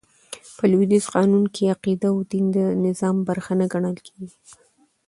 په لوېدیځ قانون کښي عقیده او دين د نظام برخه نه ګڼل کیږي.